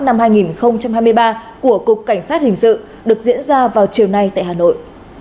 năm hai nghìn hai mươi ba của cục cảnh sát hình sự được diễn ra vào chiều nay tại hà nội